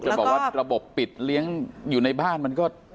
จะบอกว่าระบบปิดเลี้ยงอยู่ในบ้านมันก็